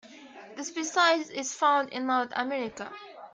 The species is found in North America.